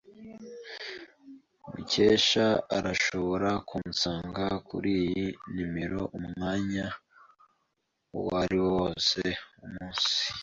Mukesha arashobora kunsanga kuriyi numero umwanya uwariwo wose wumunsi.